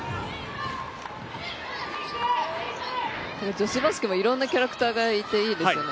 女子バスケも本当にいろんなキャラクターがいていいですよね。